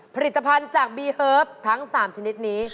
ผลิตภัณฑ์จากบีเฮิร์ฟทั้ง๓ชนิดนี้